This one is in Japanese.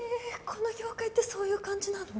この業界ってそういう感じなの？